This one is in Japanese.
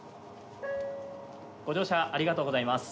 ご乗車ありがとうございます。